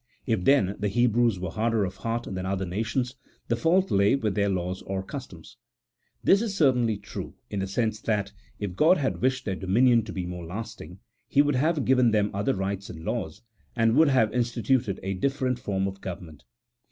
If, then, the Hebrews were harder of heart than other nations, the fault lay with their laws or customs. This is certainly true, in the sense that, if God had wished their dominion to be more lasting, He would have given them other rites and laws, and would have insti tuted a different form of government.